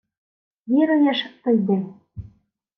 — Віруєш — то йди.